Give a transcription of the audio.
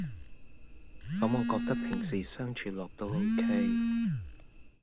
咁我覺得平時相處落都 ok